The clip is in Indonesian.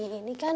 lah disini kan